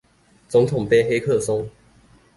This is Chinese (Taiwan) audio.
總統盃黑客松